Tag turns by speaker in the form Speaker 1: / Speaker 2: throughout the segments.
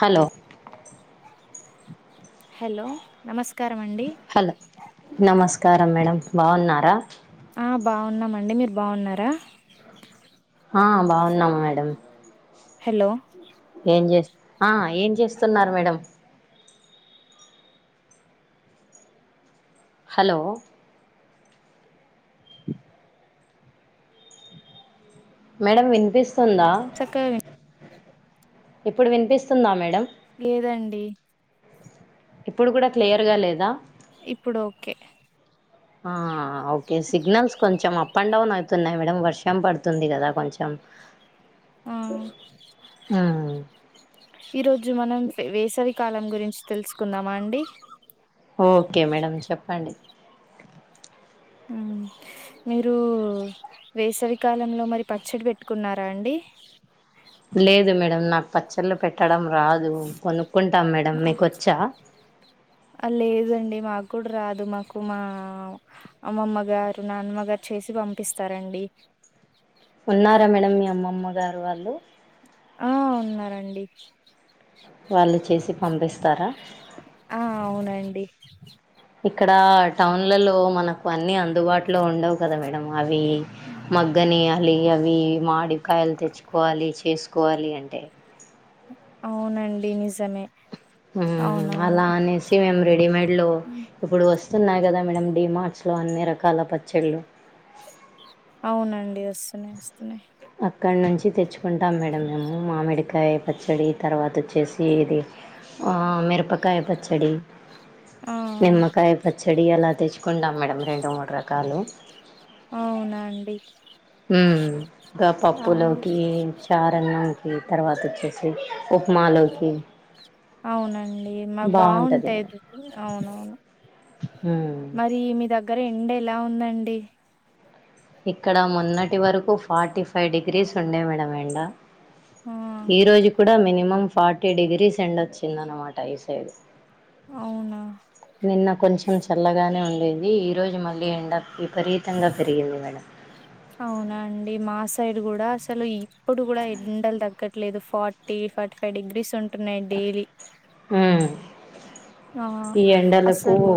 Speaker 1: Hello
Speaker 2: hello నమస్కారం అండి
Speaker 1: hello నమస్కారం మేడం బాగున్నారా
Speaker 2: బాగున్నామండి మీరు బాగున్నారా
Speaker 1: ఆ బాగున్నామా మేడం
Speaker 2: హలో
Speaker 1: ఏం చేస్ ఆ ఏం చేస్తున్నారు మేడం హలో [inaudible] మేడం వినిపిస్తుందా
Speaker 2: చక్కగా విన్
Speaker 1: ఇప్పుడు వినిపిస్తుందా మేడం
Speaker 2: లేదండి
Speaker 1: ఇప్పుడు కూడా క్లియర్ గా లేదా
Speaker 2: ఇప్పుడు ఓకే
Speaker 1: ఆ ఓకే సిగ్నల్స్ కొంచెం అప్ అండ్ డౌన్ అవుతు న్నాయి మేడం వర్షం పడుతుంది కదా కొంచెం
Speaker 2: ఆ
Speaker 1: మ్మ్
Speaker 2: ఈరోజు మనం వేసవి కాలం గురించి తెలుసుకుందామా అండి
Speaker 1: ఓకే మేడం చెప్పండి
Speaker 2: మీరు వేసవికాలంలో మరి పచ్చడి పెట్టుకున్నారా అండి
Speaker 1: లేదు మేడం నాకు పచ్చళ్ళు పెట్టడం రాదు కొనుక్కుంటాం మేడం
Speaker 2: ఆ,
Speaker 1: మీకు వచ్చా
Speaker 2: లేదండి మాకు కూడా రాదు మాకు మా అమ్మమ్మగారు నాన్నమ్మగారు చేసి పంపిస్తారండి
Speaker 1: ఉన్నారా మేడం మీ అమ్మమ్మ గారు వాళ్ళు
Speaker 2: ఆ ఉన్నారండి
Speaker 1: వాళ్ళు చేసి పంపిస్తారా
Speaker 2: ఆ అవునండి
Speaker 1: ఇక్కడ టౌన్లలో మనకు అన్ని అందుబాటులో ఉండవు కదా మేడం అవి మగ్గని మళీ అవి మాడి కాయలు తెచ్చుకోవాలి చేసుకోవాలి అంటే
Speaker 2: అవునండి నిజమే
Speaker 1: అలా
Speaker 2: అవునవును
Speaker 1: అనేసి మేము రెడీమేడ్ లో ఇప్పుడు వస్ వస్తున్నాయి కదా మేడం డి మార్ట్స్లో అన్ని రకాల పచ్చళ్ళు
Speaker 2: అవునండి వస్తున్నాయ్ వస్తున్నాయ్
Speaker 1: అక్కడ నుంచి తెచ్చుకుంటాం మేడం మేము మామిడికాయ పచ్చడి తర్వాత వచ్చేసి ఇది మిరపకాయ పచ్చడి
Speaker 2: ఊ
Speaker 1: చెడి అలా తెచ్చుకుంటాం మేడం రెండు మూడు రకాలు
Speaker 2: అవునా అండి
Speaker 1: ఇంకా
Speaker 2: ఆ
Speaker 1: పప్పులోకి చరణ్నం తర్వాత వచ్చేసి ఉప్మాలోకి
Speaker 2: అవునండి మా
Speaker 1: బాగుంటది
Speaker 2: బాగుంటాయి అవునవును
Speaker 1: ఉ
Speaker 2: దక్కర ఎండ ఎలా ఉందండి
Speaker 1: ఇక్కడ మొన్నటి వరకు ఫార్టీ ఫైవ్ డిగ్రీస్ ఉండే మేడం ఎండ
Speaker 2: ఆ
Speaker 1: ఈ రోజు కూడా మినిమం ఫార్టీ డిగ్రీస్ ఎండోచ్చిందనమాట ఈసైడు
Speaker 2: అవునా
Speaker 1: నిన్న కొంచెం చి చల్లగానే ఉండేది ఈరోజు మళ్ళీ ఎండ విపరీతంగా పెరిగింది మేడం
Speaker 2: అవునా అండి మా సైడ్ కూడా అసలు ఇప్పుడు కూడా ఎండలు తగ్గట్లేదు ఫార్టీ ఫార్టీ ఫైవ్ డిగ్రీస్ ఉంటున్నాయి డైలీ
Speaker 1: ఊ
Speaker 2: ఆ అసలు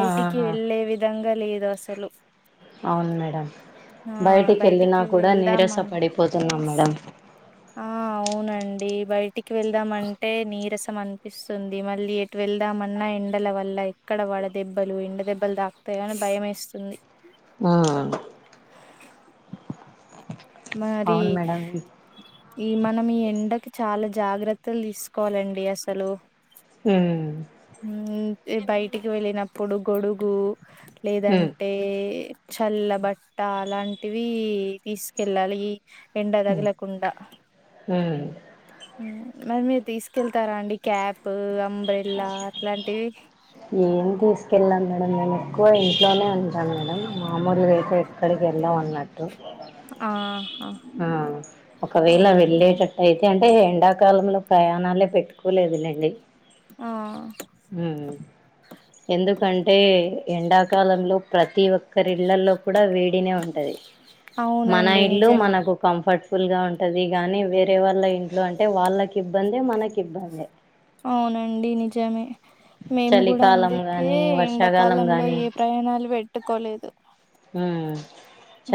Speaker 1: ఆ
Speaker 2: వెళ్ళే విధంగా లేదు అసలు
Speaker 1: అవును మేడం
Speaker 2: ఆ
Speaker 1: బయటికి వెళ్ళినా కూడా
Speaker 2: వెళ్దాం
Speaker 1: నీరస పడిపోతున్నాం
Speaker 2: అంటే
Speaker 1: మేడం
Speaker 2: అండి బయటికి వెళ్దామంటె నీరసం అనిపిస్తుంది మళ్ళీ ఎటు వెళ్దామన్నా ఎండల వల్ల ఇక్కడ వడ దెబ్బలు ఇండ దెబ్బలు తాకుతాయని భయం వేస్తుంది
Speaker 1: ఆ
Speaker 2: మరి ఈ మనం ఈ ఎండకి చాలా జాగ్రత్తలు తీసుకోవాలండి అసలు
Speaker 1: ఏం
Speaker 2: బయటికి వెళ్ళినప్పుడు గొడుగు లేదంటే చల్ల బట్ట అలాంటివి తీసుకెళ్ళాలి ఎండదగల కుండ మరి మీరు తీసుకెళ్తారా అండి క్యాప్ అంబ్రెల్లా అట్లాంటివి
Speaker 1: కెల్లం మేడం మేము ఎక్కువ ఇంట్లోనే ఉంటాం మేడం మామూలుగాయితే ఎక్కడికి వెళ్లం అన్నట్టు
Speaker 2: ఆహా
Speaker 1: ఆ ఒకవేళ
Speaker 2: ఓకే ఓకే
Speaker 1: వెళ్ళేటట్టు అయితే అం అంటే ఎండాకాలంలో ప్రయాణాలే పెట్టుకోలేదులేండి
Speaker 2: ఆ
Speaker 1: ఎందుకంటే ఎండాకాలంలో ప్ర ప్రతి ఒక్కరి ఇళ్లల్లో కూడా వేడినే ఉంటది మన
Speaker 2: అవునండి
Speaker 1: ఇల్లు
Speaker 2: నిజమే
Speaker 1: మనకు కంఫర్ట్ ఫుల్ గా ఉంటది కానీ వేరే వాళ్ళ ఇంట్లో అంటే వాళ్ళకి ఇబ్బంది మనకి ఇబ్బందే
Speaker 2: అవునండి నిజమే మేము కూడా
Speaker 1: చలికాలం
Speaker 2: అందుకే
Speaker 1: గాని వర్షాకాలం
Speaker 2: ఎండాకాలంలో
Speaker 1: గాని
Speaker 2: ఏ ప్రయాణాలు పెట్టుకోలేదు
Speaker 1: ఆ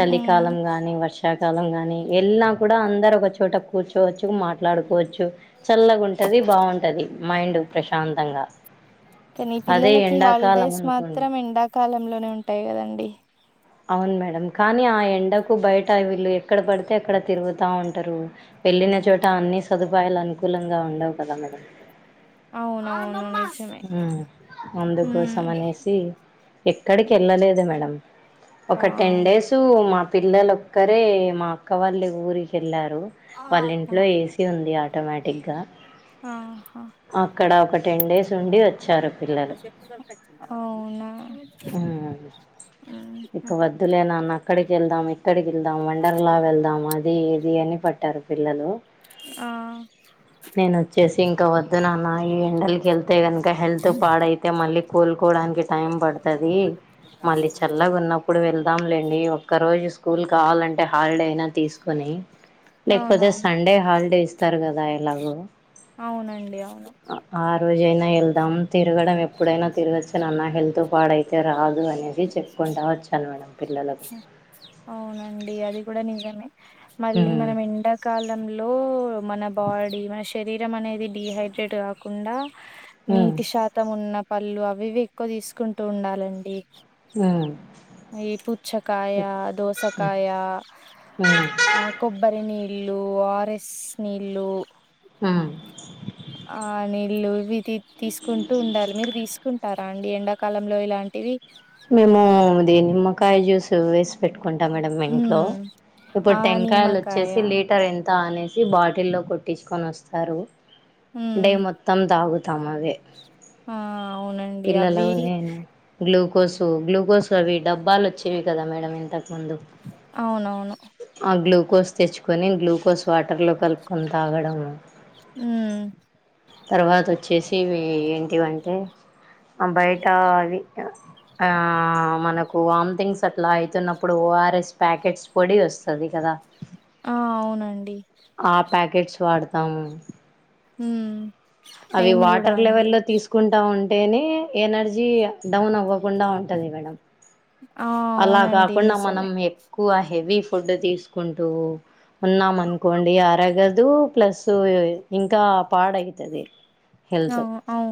Speaker 2: మ్మ్
Speaker 1: గాని వర్ష్ షాకాలం గాని ఏళ్ళిన కూడా అందరు ఒక చోట కూర్చోవచ్చు మాట్లాడుకోవచ్చు చల్లగుంట టది బాగుంటది మైండు ప్రశాంతంగా
Speaker 2: కనీ
Speaker 1: అదే
Speaker 2: పిల్లలకి
Speaker 1: ఎండాకాలం
Speaker 2: హాల్డేస్
Speaker 1: అనుకోండి
Speaker 2: మాత్రం ఎండాకాలంలోనే ఉంటాయి కదండి.
Speaker 1: అవున్ మేడం కానీ ఆ ఎండకు బైట వీళ్ళు ఎక్కడ పడ్తే అక్కడ తిరుగుతా ఉంటరు వెళ్ ళ్ళిన చోట అన్ని సదుపాయాల్ అనుకూలంగా ఉండవు కదా మేడం.
Speaker 2: అవునువును ని
Speaker 1: మ్ అందుకోసమనేసి ఎక్కడికెళ్ళలేదు మేడం.
Speaker 2: ఆ
Speaker 1: ఒక టెన్ డేసూ మా పిల్లల్ ఒక్కరే మా అక్క వాళ్ళు ఊరికెళ్ళా రు
Speaker 2: ఆ,
Speaker 1: వాళ్ళింట్లో ఏసి ఉంది ఆటోమేటిక్గ
Speaker 2: ఆహా
Speaker 1: అక్కడ ఒక టెన్ డేస్ ఉండి వచ్చారు పిల్లలు.
Speaker 2: అవునా
Speaker 1: మ్ ఇక
Speaker 2: మ్మ్
Speaker 1: వద్దులే నాన్న అక్కడికెళ్దాం, ఇక్కడికెళ్దాం వండర్లా వెళ్దాం అది ఇది అ అని పట్టారు పిల్లలు
Speaker 2: ఆ
Speaker 1: ఇక వద్దు నాన్న ఈ ఎండల్కె తే గనక హెల్త్ పాడైతే మళ్ళీ కోల్కోడానికి టైం పడ్తది. మళ్ళీ చల్లగున్నప్పుడు వెళ్దాంలేండి ఈ ఒక్క రోజు స్కూల్ కావాలంటే హాల్డే అయిన తీస్కొని లేకపోతే
Speaker 2: అవునవును
Speaker 1: సండే హాల్డే ఇస్తారు కదా ఎలాగో
Speaker 2: సండే అవును.
Speaker 1: రోజైన ఎళ్దాం తిరగడం ఎప్పుడైనా తిరగచ్చు నాన్న హెల్త్ పాడైతే రాదు అనేసి చెప్ప కుంటా వచ్చాను మేడం. పిల్లలకు
Speaker 2: అవునండి అది గుడా నిజ మళ్ళీ
Speaker 1: ఉమ్
Speaker 2: మనం ఎండాకాలంలో మన బాడీ మన శరీరం అనేది డిహైడ్రేట్ కాకుండా
Speaker 1: ఉమ్
Speaker 2: నీటి శాతం ఉన్న పళ్ళు అవి ఇవి ఎక్కువ తీస్కుంటూ ఉండాలండి.
Speaker 1: ఆ
Speaker 2: ఈ పుచ్చకాయ, దోసకాయ,
Speaker 1: ఉమ్
Speaker 2: ఆ కొబ్బరి నీ ళ్ళు, ఓఆర్ఎస్ నీళ్ళు
Speaker 1: ఆ
Speaker 2: ఆ నీళ్ళు ఇవి తీ తీస్కుంటూ ఉండాల్ మీరు తీసుకుంటార్ రా అండి ఎండాకాలంలో ఇలాంటివి
Speaker 1: మేము దేనిమ్మకాయ్ జ్యూస్ వేస్ పెట్ కుంటా మేడం ఇంట్లో
Speaker 2: ఉమ్
Speaker 1: ఇప్పుడ్
Speaker 2: ఆ
Speaker 1: టెంకాయల్
Speaker 2: నిమ్మకాయ
Speaker 1: వచ్చేసి లీటర్ ఇం తా అనేసి బాటిల్లో కొట్టించుకోన్ వస్తారు
Speaker 2: ఉమ్
Speaker 1: డే మొత్తం తాగు తాం అవే
Speaker 2: ఆ అవునండి
Speaker 1: పిల్లల
Speaker 2: అవి
Speaker 1: నేను గ్లూ కోసు గ్లూకోస్ అవి డబ్బాల్ వచ్చేవి కదా మేడం ఇంతక్ ముందు
Speaker 2: అవునవును.
Speaker 1: గ్లూకోస్ తెచ్చుకొని గ్లూకోస్ వాటర్లో కలుప్కొని తాగడము.
Speaker 2: మ్
Speaker 1: తర్వాత వచ్చేసి ఇవి ఏంటివంటే బైటా అవి ఆ మనకు వామ్ థింగ్స్ అట్లా అయితున్నప్పుడు ఓఆర్ఎస్ ప్యాకెట్స్ పొడి వస్తది కదా
Speaker 2: ఆ అవునండి
Speaker 1: ఆ ప్యాకెట్స్ వాడ్తాము.
Speaker 2: మ్
Speaker 1: అవి వాటర్ లెవెల్లో తీస్కుంటా ఉం టేనే ఎనర్జీ డౌన్ అవ్వకుండా ఉంటది మేడం.
Speaker 2: ఆ
Speaker 1: అలా
Speaker 2: అవునండి
Speaker 1: కాకుండా మనం
Speaker 2: నిజమే
Speaker 1: ఎక్కువ హెవీఫుడ్ తీస్కుంటూ ఉన్నాం అన్కోండి అరగదు ప్లస్ ఇంకా పాడైతది.
Speaker 2: ఆ
Speaker 1: హెల్త్
Speaker 2: అవు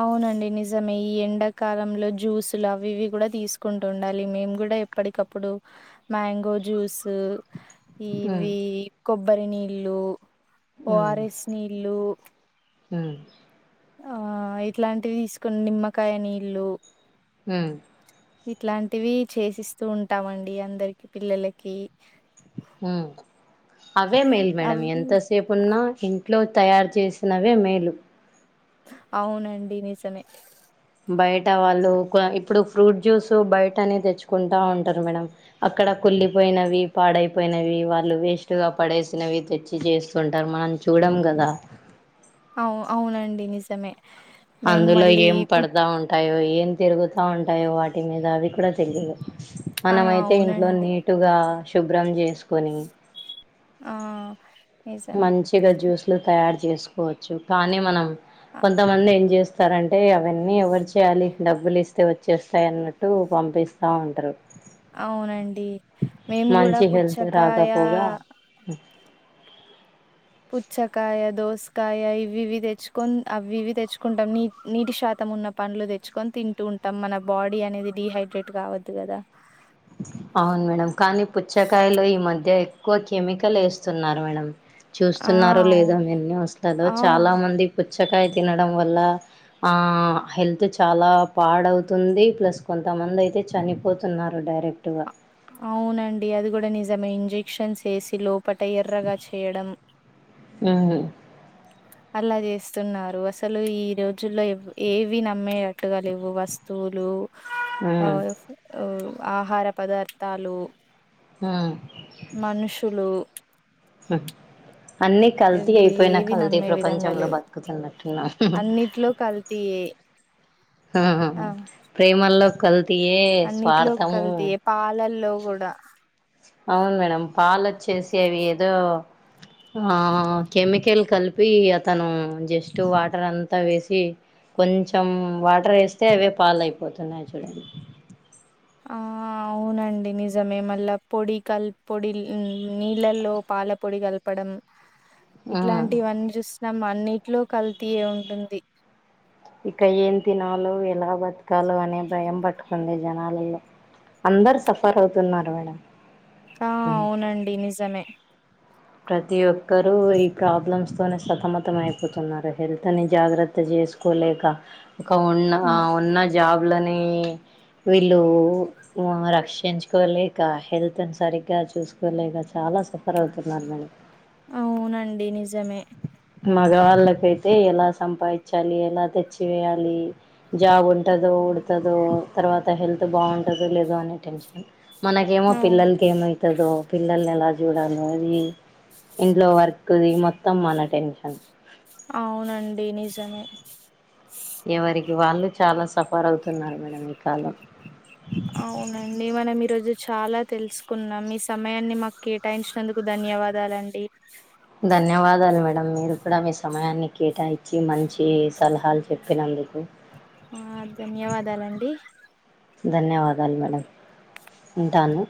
Speaker 2: అవునండి నిజమే ఈ ఎండాకాలంలో జ్యూసులవి ఇవి కూడా తీసుకుంటు ఉండాలి మేము గుడా ఎప్పడికప్పుడు మ్యాంగో జూస్
Speaker 1: ఉమ్
Speaker 2: ఇవి కొబ్బరి నీళ్ళు ఓఆర్ఎస్ నీళ్ళు
Speaker 1: ఉ
Speaker 2: ఆ ఇట్లాంటివి తీసుకుని నిమ్మకాయ నీళ్ళు
Speaker 1: ఉం
Speaker 2: ఇట్లాంటివి చేసిస్తూ ఉంటామండి అందరికి పిల్లలకి
Speaker 1: ఉ అవే మేలు మేడం
Speaker 2: అవి
Speaker 1: ఎంతసేపు ఉన్నా ఇంట్లో తయారు చేసినవే మేలు
Speaker 2: అవునండి నిజమే
Speaker 1: బయట వాళ్ళు కో ఇప్పుడు ఫ్రూట్ జ్యూస్ బయటనే తెచ్చుకుంటా ఉంటారు మేడం అక్కడ కూ కుళ్లిపోయినవి పాడైపోయినవి వాళ్ళు వేస్ట్ గా పడేసినవి తెచ్చి చేస్తుంటారు మనం చూడ ము గదా
Speaker 2: అవు అవునండి నిజమే మేము
Speaker 1: అందులో
Speaker 2: మళ్ళీ
Speaker 1: ఏం
Speaker 2: పు
Speaker 1: పడతా ఉంటాయో ఏం తిరుగుత ఉంటాయో వాటి మీద అవి కూడా తెలిదు
Speaker 2: ఆ
Speaker 1: మనమైతే ఇంట్లో
Speaker 2: అవునండి
Speaker 1: నీటుగా శుభ్రం జెసుకొని
Speaker 2: ఆ నిజమే
Speaker 1: మంచిగా జ్యూస్లు తయారు చేసుకోవచ్చు కానీ మనం
Speaker 2: అ
Speaker 1: కొంతమంది ఏం చేస్త తారంటే అవన్నీ ఎవరు చేయాలి డబ్బులిస్తే వచ్చేస్తాయి అన్నట్టు పంపిస్తా ఉంటారు
Speaker 2: అవునండి మేము గుడా
Speaker 1: మంచి హెల్త్
Speaker 2: పుచ్చకాయ
Speaker 1: రాకపోగా
Speaker 2: పుచ్చకాయద్ దోసకాయ ఇవ్వివ్వి తెచ్చుకొని అవ్వివ్వి తెచ్చుకుంటాం నీ నీటి శాతం ఉన్న పండ్లు తెచ్చుకొని తింటూ ఉంటాం మన బాడీ అనేది డిహైడ్రేట్ కావద్దు కదా
Speaker 1: అవును మేడం కానీ పుచ్చకాయలో ఈ మధ్య ఎక్కువ కెమికల్ ఎస్తున్నారు మేడం
Speaker 2: ఆ
Speaker 1: చూస్తున్నారో
Speaker 2: అవు
Speaker 1: లేదో మీర్ న్యూస్లలో
Speaker 2: అవు
Speaker 1: చాలా మంది పుచ్చకాయ తినడం వల్ల ఆ హెల్త్ చాలా పాడవుతుంది ప్లస్ కొంతమంది అయితే చనిపోతున్నారు డైరెక్
Speaker 2: అవునండి అది కూడా నిజమే ఇంజెక్షన్స్ ఎసి లోపట ఎర్రగా చేయడం
Speaker 1: ఉమ్
Speaker 2: అలా చేస్తున్నారు అసలు ఈ రోజుల్లో ఏవి నమ్మేటట్టుగా లేవు వస్తు స్తువులు అ
Speaker 1: ఉమ్
Speaker 2: ఆహార పదార్థాలు
Speaker 1: ఉమ్
Speaker 2: మనుషులు
Speaker 1: ఉమ్ అన్ని కల్తీ
Speaker 2: ఇవి
Speaker 1: అయిపోయినా
Speaker 2: ఏవి
Speaker 1: కల్తీ
Speaker 2: నమ్మే విధంగా
Speaker 1: ప్రపంచంలో
Speaker 2: లేవు
Speaker 1: బతుకుతున్నట్టున్నా
Speaker 2: అన్నిట్లో కల్తీయే ఆ
Speaker 1: ఉ ప్రేమల్లో కల్తీయే
Speaker 2: అన్నిట్లో
Speaker 1: స్వార్థము
Speaker 2: కల్తీయే పాలల్లో కూడా
Speaker 1: అవును మేడం పాలచ్చేసేవి ఏదో ఆ కెమికల్ కలిపి అతను జస్ట్ వాటర్ అంతా వేసి కొంచెం వాటర్ వేస్తే అవే పాలయిపోతున్నాయి చూడండి
Speaker 2: ఆ అవునండి నిజమే మల్ళ పొడి కల్ పొడి నీళ్ళలో పాల పొడి కలపడం
Speaker 1: ఆ
Speaker 2: ఇట్లాంటివన్నీ చూస్తున్నాము అన్నిట్లో కల్తీయే ఉంటుంది
Speaker 1: ఇక ఏం తినాలో ఎలా బతకాలో అనే భయం పట్టుకుంది జనాలలో అందరు సఫర్ అవుతున్నారు మేడం
Speaker 2: ఆ అవునండి నిజమే
Speaker 1: ప్రతి ఒక్కరు ఈ ప్రాబ్లమ్స్ తోనే సతమతం అయిపోతున్నారు హెల్త్ని జాగ్రత్త చేసుకోలేక ఒక ఉన్న
Speaker 2: ఆ
Speaker 1: ఉన్న జాబ్ ని వీళ్ళు రక్షించుకోలేక హెల్త్ సరిగా చూసుకోలేక చాలా సఫర్ అవుతున్నారు మేడం
Speaker 2: అవునండి నిజమే
Speaker 1: మగవాళ్ళకైతే ఎలా సంపాదించాలి ఎలా తెచ్చివేయాలి జాబ్ ఉంటదో ఉడతాదో తర్వాత హెల్త్ బాగుంటుంది లేదు అనే టెన్షన్ మనకేమో
Speaker 2: ఆ
Speaker 1: పిల్లలకి ఏమవుతుందో పిల్లల్ని ఎలా చూడాలి అది ఇంట్లో వర్క్ది మొత్తం మన టెన్షన్
Speaker 2: అవునండి నిజమే
Speaker 1: ఎవరికి వాళ్ళు చాలా సఫర్ అవుతున్నారు మేడం ఈ కాలం
Speaker 2: అవునండి మనం ఈ రోజు చాలా తెలుసుకున్నాం మీ సమయాన్ని మాకు కేటాయించినందుకు ధన్యవాదాలండి
Speaker 1: ధన్యవాదాలు మేడం మీరు కూడా మీ సమయాన్ని కేటాయించి మంచి సలహాలు చెప్పినదు కు
Speaker 2: ఆ ధన్యవాదాలండి
Speaker 1: ధన్యవాదాలు మేడం ఉంటాను